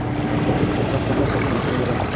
Sog‘ tanda sog‘lom aql bo‘ladi.